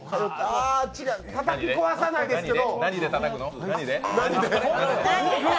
あ、たたき壊さないですけど。